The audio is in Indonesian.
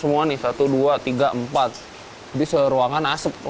saya diminta membuat ikan yang dimasak dengan cara direbus atau dicue